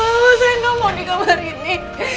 tidak mau saya tidak mau di kamar ini